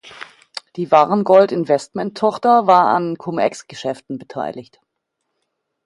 Die Varengold-Investmenttochter war an Cum-Ex-Geschäften beteiligt.